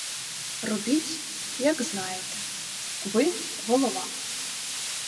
Робіть, як знаєте, ви — голова.